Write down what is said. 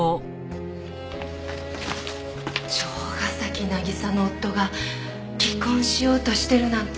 城ヶ崎渚の夫が離婚しようとしてるなんて。